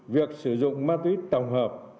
việc sử dụng ma túy tổng hợp